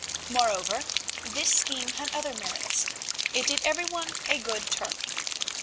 Moreover, this scheme had other merits; it did every one a good turn.